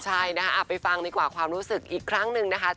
ใช่นะคะไปฟังดีกว่าความรู้สึกอีกครั้งหนึ่งนะคะ